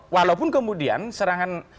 walaupun kemudian serangan